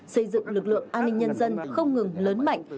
xây dựng lực lượng an ninh nhân dân không ngừng lớn mạnh